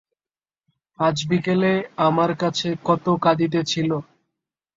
আজ বিকেলে আমার কাছে কত কাঁদিতেছিল।